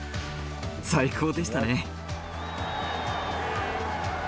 最高でしたね。